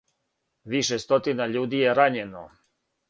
Више стотина људи је рањено.